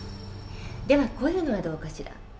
ではこういうのはどうかしら。